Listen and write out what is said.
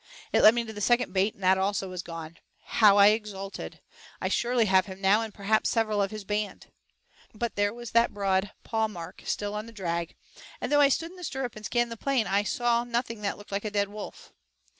It led me to the second bait and that also was gone. How I exulted I surely have him now and perhaps several of his band. But there was the broad pawmark still on the drag; and though I stood in the stirrup and scanned the plain I saw nothing that looked like a dead wolf.